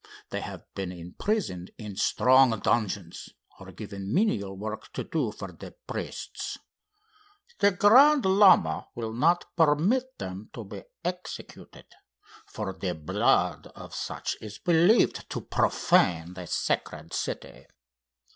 They have been imprisoned in strong dungeons, or given menial work to do for the priests. The grand Llama will not permit them to be executed, for the blood of such is believed to profane the sacred city."